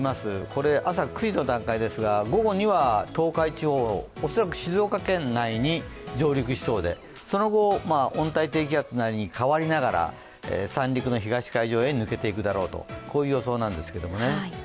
これ、朝９時の段階ですが午後には東海地方、恐らく静岡県内に上陸しそうでその後、温帯低気圧なりに変わりながら三陸の東海上に抜けていくだろうと、こういう予想なんですけどもね。